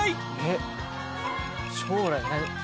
えっ将来？